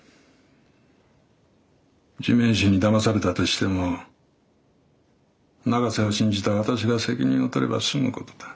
地面師にだまされたとしても永瀬を信じた私が責任を取れば済むことだ。